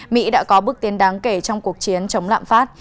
mỹ đã có bước tiến đáng kể trong cuộc chiến chống lạm phát